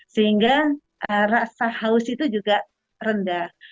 sehingga rasa haus itu juga rendah